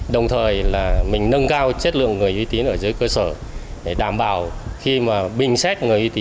đồng thời là mình nâng cao chất lượng người uy tín ở dưới cơ sở để đảm bảo khi mà bình xét